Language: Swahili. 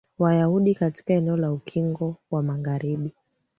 ya wayahudi katika eneo la ukingo wa magharibi